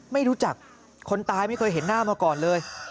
ไม่รู้จักคนตายไม่เคยเห็นหน้ามาก่อนเลย